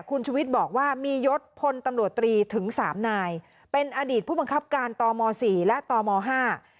คุณชุวิตบอกว่ามียศพลตำรวจตรีถึงสามนายเป็นอดีตผู้บังคับการต่อมอสี่และต่อมอห้า